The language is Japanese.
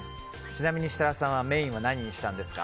ちなみに設楽さんはメインは何にしたんですか？